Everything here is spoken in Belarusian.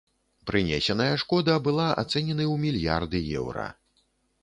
Прынесеная шкода была ацэнены ў мільярды еўра.